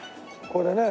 これでね。